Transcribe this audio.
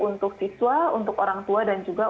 untuk siswa untuk orang tua dan juga